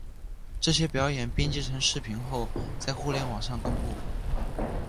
这些表演编辑成视频后在互联网上公布。